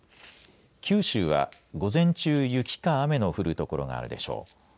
九州は午前中雪か雨の降る所があるでしょう。